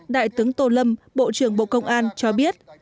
đại tướng tô lâm bộ trưởng bộ công an cho biết